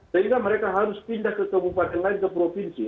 sehingga mereka harus pindah ke kabupaten lain ke provinsi